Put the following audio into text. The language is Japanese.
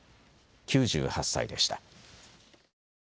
９８歳でした。